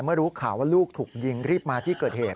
เมื่อรู้ข่าวว่าลูกถูกยิงรีบมาที่เกิดเหตุ